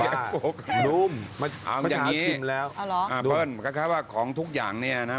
เอาจังงี้เปิ้ลค่ะว่าของทุกอย่างนี่นะ